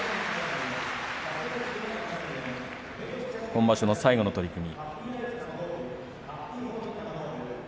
今場所の最後の取組。